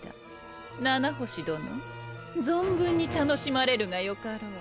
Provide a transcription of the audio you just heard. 七星殿存分に楽しまれるがよかろう。